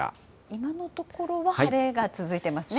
今のところは晴れが続いてますね。